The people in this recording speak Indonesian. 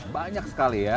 banyak sekali ya